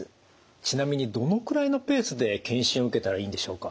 ちなみにどのくらいのペースで健診を受けたらいいんでしょうか？